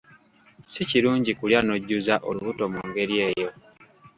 Si kirungi kulya n'ojjuza olubuto mu ngeri eyo.